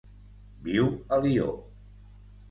Viu a Lió.